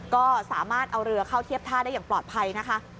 ก็สามารถเอาเรือเข้าเทียบท่าได้อย่างปลอดภัยนะคะ